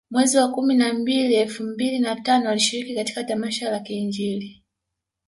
Mwezi wa kumi na mbili elfu mbili na tano alishiriki katika tamasha la kiinjili